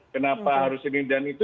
kenapa harus ini dan itu